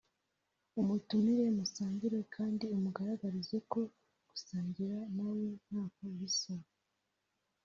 umutumire musangire kandi umugaragarize ko gusangira na we ntako bisa